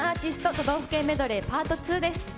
都道府県メドレーパート２です。